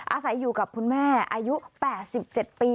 อาศัยอยู่กับคุณแม่อายุ๘๗ปี